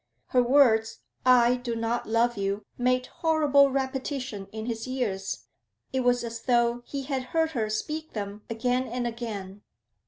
Her words, 'I do not love you,' made horrible repetition in his ears; it was as though he had heard her speak them again and again.